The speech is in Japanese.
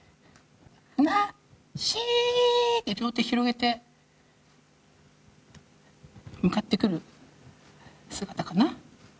ふなっっしー！って両手広げて向かってくる姿かな。